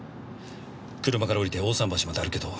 車から降りて大さん橋まで歩けと。